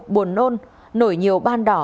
buồn nôn nổi nhiều ban đỏ